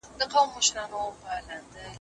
بې عمله عالم د بې ميوې ونې په څېر دی.